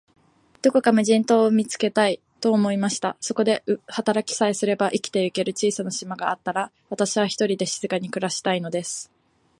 どこか無人島を見つけたい、と思いました。そこで働きさえすれば、生きてゆける小さな島があったら、私は、ひとりで静かに暮したいのです。